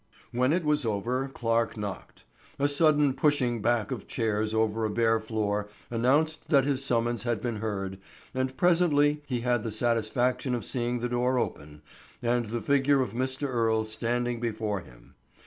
When it was over Clarke knocked. A sudden pushing back of chairs over a bare floor announced that his summons had been heard, and presently he had the satisfaction of seeing the door open and the figure of Mr. Earle standing before him.